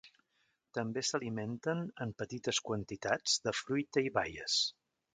També s'alimenten, en petites quantitats, de fruita i baies.